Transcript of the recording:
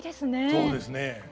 そうですね。